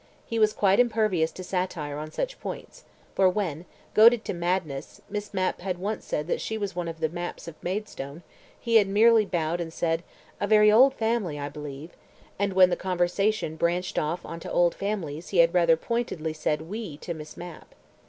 ... He was quite impervious to satire on such points, for when, goaded to madness, Miss Mapp had once said that she was one of the Mapps of Maidstone, he had merely bowed and said: "A very old family, I believe," and when the conversation branched off on to old families he had rather pointedly said "we" to Miss Mapp.